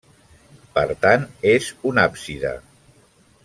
Per tant és un àpside.